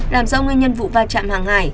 làm rõ nguyên nhân vụ va chạm hàng hải